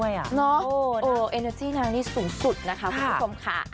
อยู่แล้ว